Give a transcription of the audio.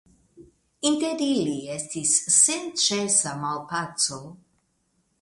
Inter ili estis senĉesa malpaco.